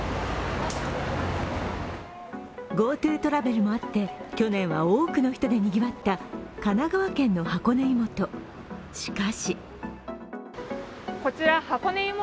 ＧｏＴｏトラベルもあって、去年は多くの人でにぎわった神奈川県の箱根湯本。